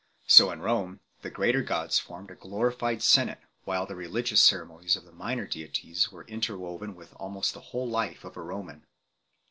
So in Rome, the greater gods formed a glorified senate, while the religious ceremonies of the minor deities were interwoven with almost the whole life of a Roman 1